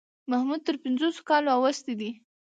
محمود تر پنځوسو کالو اوښتی دی.